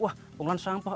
wah penggulan sampah